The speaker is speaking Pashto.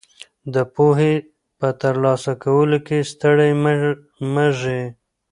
د پوهې په ترلاسه کولو کې ستړي مه ږئ.